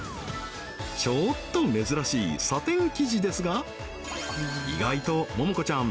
ちょっと珍しいサテン生地ですが意外とももこちゃん